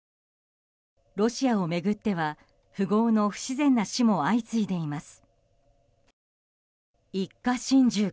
ロシアを巡っては富豪の不自然な死も相次いでいます。